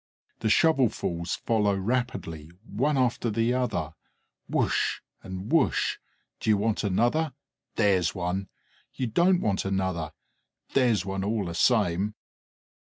The shovelfuls follow rapidly, one after the other. Whoosh! And whoosh! Do you want another? There's one! You don't want another? There's one all the same!